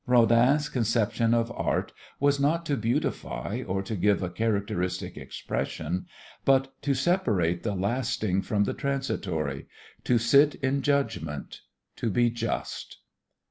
Rodin's conception of Art was not to beautify or to give a characteristic expression, but to separate the lasting from the transitory, to sit in judgment, to be just.